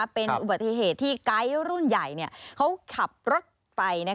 เป็นอุบัติเหตุที่ไก๊รุ่นใหญ่เขาขับรถไป